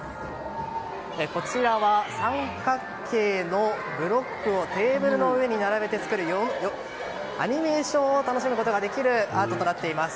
こちらは三角形のブロックをテーブルの上に並べて作るアニメーションを楽しむことができるアートとなっています。